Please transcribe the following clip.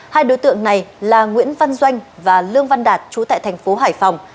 hai đối tượng này là nguyễn văn doanh và lương văn đạt chú tại thành phố hải phòng